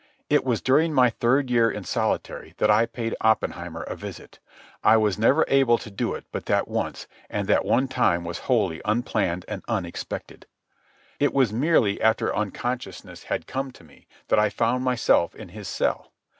It was during my third year in solitary that I paid Oppenheimer a visit. I was never able to do it but that once, and that one time was wholly unplanned and unexpected. It was merely after unconsciousness had come to me that I found myself in his cell.